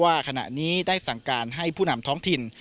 ว่าขณะนี้ได้สั่งการให้ผู้นำท้องถิ่น